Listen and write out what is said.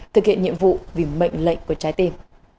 thực hiện nhiệm vụ vì mệnh lệnh của trái tim